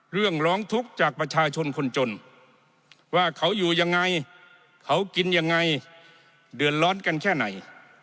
ร้องทุกข์จากประชาชนคนจนว่าเขาอยู่ยังไงเขากินยังไงเดือดร้อนกันแค่ไหน